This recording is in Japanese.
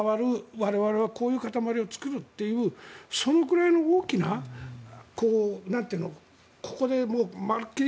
我々はこれくらいのものを作るというそのくらいの大きなここでまるっきり